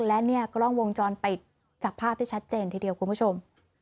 และเนี่ยกล้องวงจรปิดจับภาพได้ชัดเจนทีเดียวคุณผู้ชม